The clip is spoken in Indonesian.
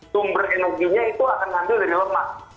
sumber energinya itu akan diambil dari lemak